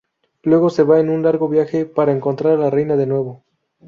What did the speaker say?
Luego se va en un largo viaje para encontrar a la reina de nuevo.